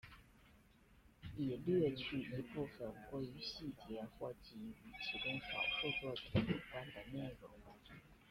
已略去一部分过于细节或仅与其中少数作品有关的内容。